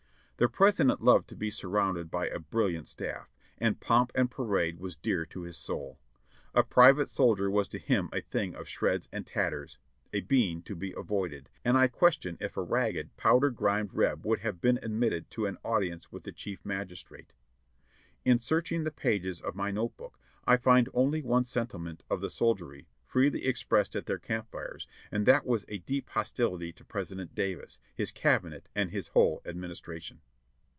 The President loved to be surrounded by a brilliant staff, and pomp and parade was dear to his soul. A private soldier was to him a thing of shreds and tatters, a being to be avoided, and I question if a ragged, powder grimed Reb would have been ad mitted to an audience with the Chief Magistrate. In searching the pages of my note book I find only one senti ment of the soldiery, freely expressed at their camp fires, and that was a deep hostility to President Davis, his Cabinet and his whole Administration.